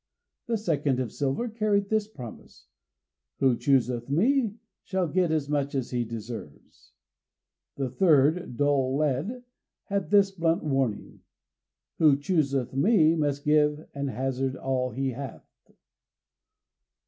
= The second, of silver, carried this promise: ="Who chooseth me shall get as much as he deserves."= The third, dull lead, had this blunt warning: ="Who chooseth me must give and hazard all he hath."